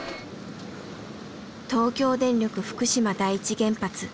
東京電力福島第一原発。